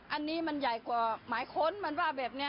อันนี้มันใหญ่กว่าหมายค้นมันว่าแบบนี้